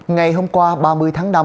ngày hôm qua ba mươi tháng năm